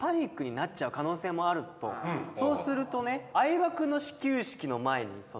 そうするとね。